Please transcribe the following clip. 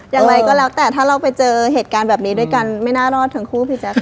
อย่างไรก็แล้วแต่ถ้าเราไปเจอเหตุการณ์แบบนี้ด้วยกันไม่น่ารอดทั้งคู่พี่แจ๊ค